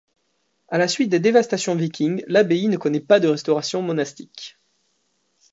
À la suite des dévastations vikings, l'abbaye ne connaît pas de restauration monastique.